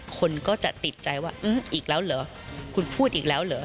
คนก็จะติดใจว่าอีกแล้วเหรอคุณพูดอีกแล้วเหรอ